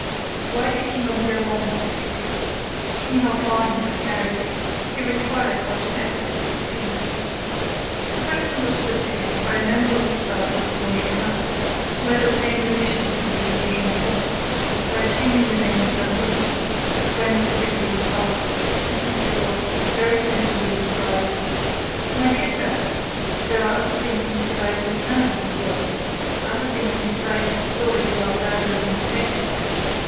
Why did he not go on with the case? Seeing how far he had carried it, he required but an effort to succeed. The question was put to him by a member of the staff of the Grand Journal, who had obtained admission to the Lycée Janson by assuming the name of Bernod, the friend of Beautrelet's father. And Isidore very sensibly replied: "My dear sir, there are other things besides Lupin in this world, other things besides stories about burglars and detectives.